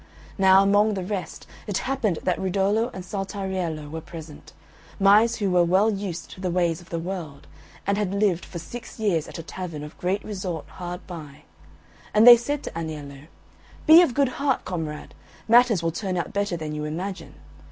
Now, among the rest, it happened that Rudolo and Saltariello were present mice who were well used to the ways of the world, and had lived for six years at a tavern of great resort hard by; and they said to Aniello, "Be of good heart, comrade! matters will turn out better than you imagine.